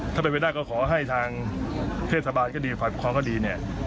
ถ้าเป็นไว้หน้าก็ขอให้ทางเครศบาลก็ดีฝันประคองก็ดีเนี่ย